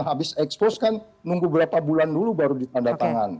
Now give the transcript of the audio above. habis expose kan nunggu berapa bulan dulu baru ditandatangan